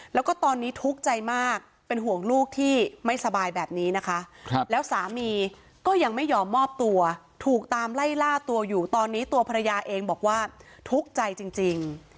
แล้วก็ตอนนี้ทุกข์ใจมากเป็นห่วงลูกที่ไม่สบายแบบนี้นะคะแล้วสามีก็ยังไม่ยอมมอบตัวถูกตามไล่ล่าตัวอยู่ตอนนี้ตัวภรรยาเองบอกว่าทุกข์ใจจริง